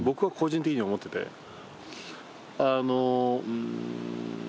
あのうん。